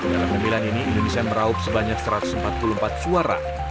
dalam tampilan ini indonesia meraup sebanyak satu ratus empat puluh empat suara